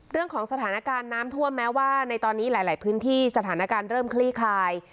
เรื่องของสถานการณ์น้ำท่วมแม้ว่าในตอนนี้หลายพื้นที่สถานการณ์เริ่มคลี่คลาย